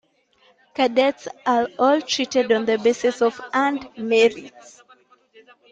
Cadets are all treated on the basis of earned merit.